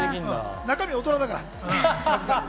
中身は大人だから。